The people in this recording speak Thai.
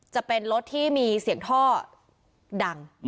จะเป็นรถที่มีเสียงท่อดัง